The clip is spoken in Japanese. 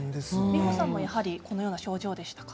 美穂さんもやはりこのような症状でしたか。